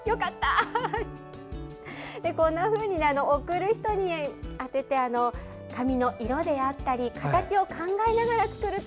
こんなふうに贈る人によって紙の色であったり形を考えながら作ると。